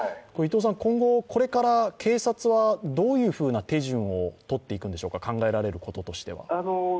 今後、これから警察はどういう手順を取っていくんでしょうか、考えられることとしては。